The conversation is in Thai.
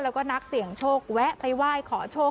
แล้วก็นักเสี่ยงโชคแวะไปไหว้ขอโชค